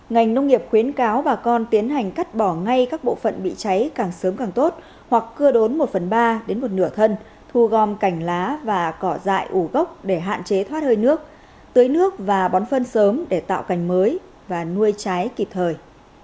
ngành nông nghiệp khuyến cáo bà con tiến hành cắt bỏ ngay các bộ phận bị cháy càng sớm càng tốt hoặc cưa đốn một phần ba đến một nửa thân thu gom cành lá và cỏ dại ủ gốc để hạn chế thoát hơi nước tưới nước và bón phân sớm để tạo cành mới và nuôi trái kịp thời